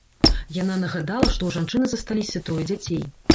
Яна нагадала, што ў жанчыны засталіся трое дзяцей.